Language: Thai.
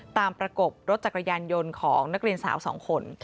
ประกบรถจักรยานยนต์ของนักเรียนสาว๒คน